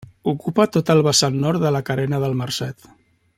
Ocupa tot el vessant nord de la Carena del Marcet.